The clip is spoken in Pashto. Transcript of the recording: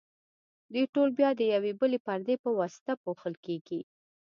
دوی ټول بیا د یوې بلې پردې په واسطه پوښل کیږي.